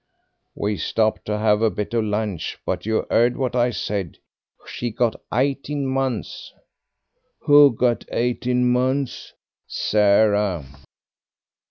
"We stopped to have a bit of lunch. But you heard what I said. She got eighteen months." "Who got eighteen months?" "Sarah."